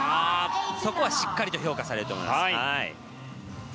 そこはしっかりと評価されると思います。